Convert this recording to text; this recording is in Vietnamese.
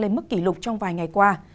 lên mức kỷ lục trong vài ngày qua